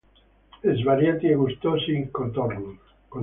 Svariati e gustosi i contorni.